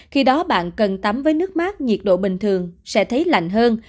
khi đó bạn cần tắm với nước mát nhiệt độ bình thường sẽ thấy lạnh hơn